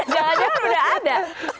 jangan jangan sudah ada